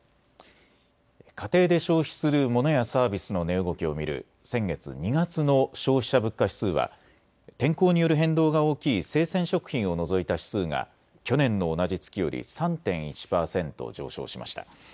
家庭で消費するモノやサービスの値動きを見る先月２月の消費者物価指数は天候による変動が大きい生鮮食品を除いた指数が去年の同じ月より３．１％上昇しました。